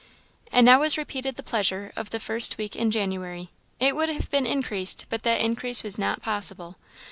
And now was repeated the pleasure of the first week in January. It would have been increased, but that increase was not possible.